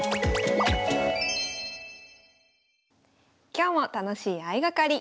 今日も楽しい相掛かり。